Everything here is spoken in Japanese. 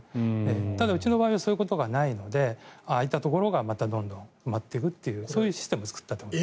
ただ、うちの場合はそういうことがないので空いたところがまたどんどん埋まっていくそういうシステムを作ったと思います。